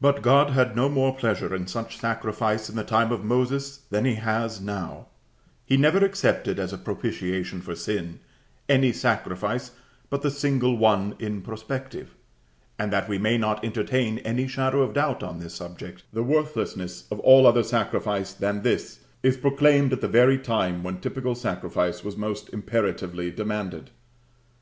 But God had no more pleasure in such sacrifice in the time of Moses than He has now; He never accepted as a propitiation for sin any sacrifice but the single one in prospective; and that we may not entertain any shadow of doubt on this subject, the worthlessness of all other sacrifice than this is proclaimed at the very time when typical sacrifice was most imperatively demanded.